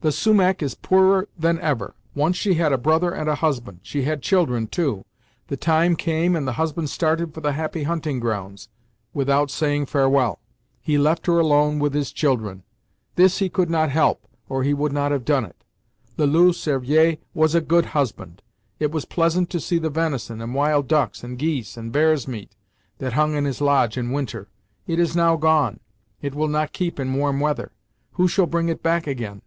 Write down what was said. The Sumach is poorer than ever. Once she had a brother and a husband. She had children, too. The time came and the husband started for the Happy Hunting Grounds, without saying farewell; he left her alone with his children. This he could not help, or he would not have done it; le Loup Cervier was a good husband. It was pleasant to see the venison, and wild ducks, and geese, and bear's meat, that hung in his lodge in winter. It is now gone; it will not keep in warm weather. Who shall bring it back again?